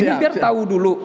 ini biar tau dulu